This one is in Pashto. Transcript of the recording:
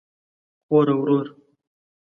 خور او ورور